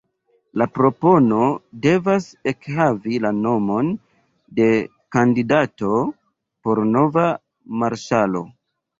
La propono devas ekhavi la nomon de kandidato por nova marŝalo.